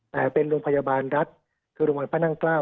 แต่เป็นโรงพยาบาลรัฐคือโรงพยาบาลพระนั่งเกล้า